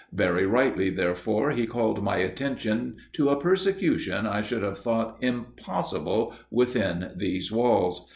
Very rightly, therefore, he called my attention to a persecution I should have thought impossible within these walls.